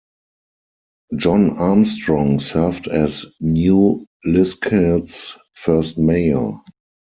John Armstrong served as New Liskeard's first mayor.